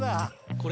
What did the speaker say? これ。